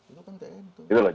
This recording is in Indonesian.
itu kan tni tuh